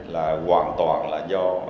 là hoàn toàn là do